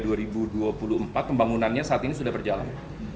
dari mulai dua ribu dua puluh empat pembangunannya saat ini sudah berjalan